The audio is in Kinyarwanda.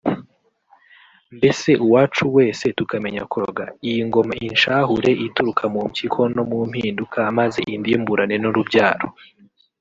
mbese uwacu wese tukamenya kuroga…iyi ngoma inshahure ituruka mu mpyiko no mu mpinduka maze indimburane n’urubyaro”